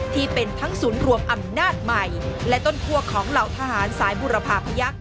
ที่เป็นทั้งศูนย์รวมอำนาจใหม่และต้นคั่วของเหล่าทหารสายบุรพาพยักษ์